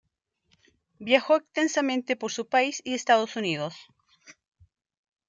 Viajó extensamente por su país y Estados Unidos.